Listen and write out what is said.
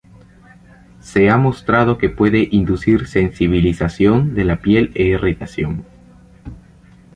Se ha mostrado que puede inducir sensibilización de la piel e irritación